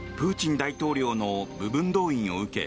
プーチン大統領の部分動員を受け